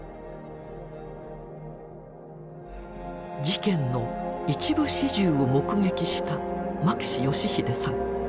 事件の一部始終を目撃した牧志義秀さん。